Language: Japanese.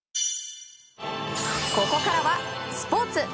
ここからはスポーツ。